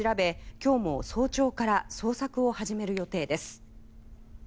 今日も早朝から捜索を始める予定です。